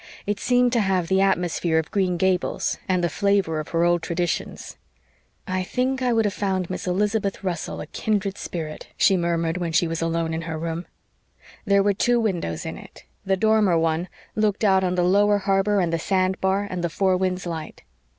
It seemed to have the atmosphere of Green Gables and the flavor of her old traditions. "I think I would have found Miss Elizabeth Russell a 'kindred spirit,'" she murmured when she was alone in her room. There were two windows in it; the dormer one looked out on the lower harbor and the sand bar and the Four Winds light.